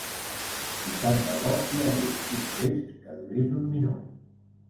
I tant de bo hi hagués un test que durés un minut.